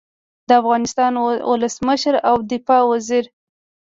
د افغانستان ولسمشر او د دفاع وزیر